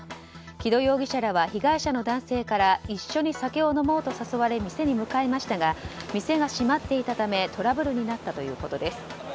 木戸容疑者らは被害者の男性から一緒に酒を飲もうと誘われ店に向かいましたが店が閉まっていたためトラブルになったということです。